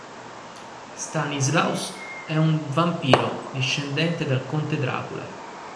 Stanislaus è un vampiro discendente dal Conte Dracula.